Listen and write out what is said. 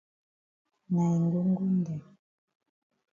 Na yi ngongngong dem.